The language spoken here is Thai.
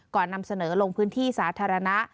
นำเสนอลงพื้นที่สาธารณะ